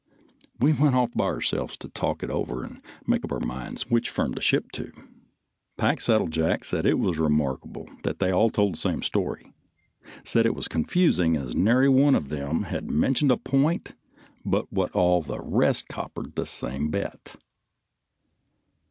We went off by ourselves to talk it over and make up our minds which firm to ship to. Packsaddle Jack said it was remarkable that they all told the same story, said it was confusing as nary one of them had mentioned a point but what all the rest had coppered the same bet.